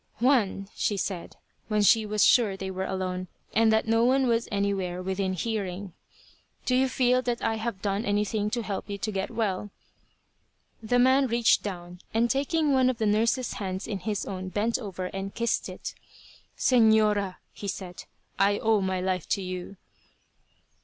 "Juan," she said, when she was sure they were alone, and that no one was anywhere within hearing, "do you feel that I have done anything to help you to get well?" The man reached down, and taking one of the nurse's hands in his own bent over and kissed it. "Señora," he said, "I owe my life to you."